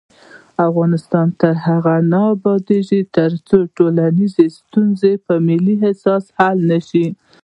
افغانستان تر هغو نه ابادیږي، ترڅو ټولنیزې ستونزې په ملي احساس حل نشي.